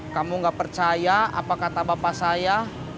kamu gak percaya apa kata bapak saya